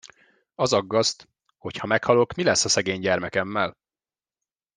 Az aggaszt, hogy ha meghalok mi lesz a szegény gyermekemmel?